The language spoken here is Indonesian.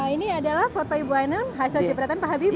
ini adalah foto ibu ainun hasil jepretan pak habibie